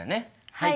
はい。